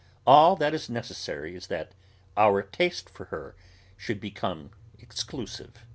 All that is necessary is that our taste for her should become exclusive.